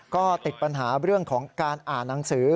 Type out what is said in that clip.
ก็ติดปัญหาเรื่องของการอ่านหนังสือ